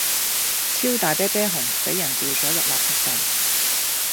超大啤啤熊俾人掉左入垃圾站